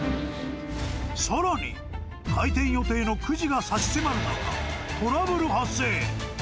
さらに、開店予定の９時が差し迫る中、トラブル発生。